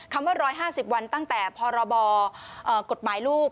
ว่า๑๕๐วันตั้งแต่พรบกฎหมายลูก